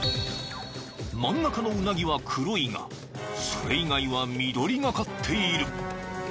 ［真ん中のうなぎは黒いがそれ以外は緑がかっている］